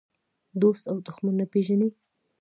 دوست او دښمن نه پېژني.